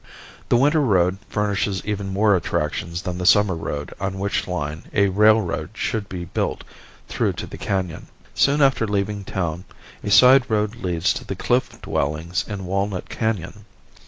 The winter road furnishes even more attractions than the summer road on which line a railroad should be built through to the Canon. Soon after leaving town a side road leads to the cliff dwellings in Walnut Canon.